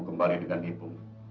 kembali dengan ibu